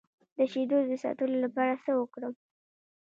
د شیدو د ساتلو لپاره څه وکړم؟